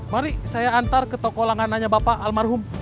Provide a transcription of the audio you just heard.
mari saya antar ke toko langanannya bapak almarhum